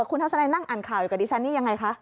คุณทัศนัยนั่งอ่านข่าวอยู่กับดิฉันนี่ยังไงคะ